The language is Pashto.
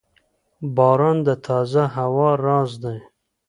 • باران د تازه هوا راز دی.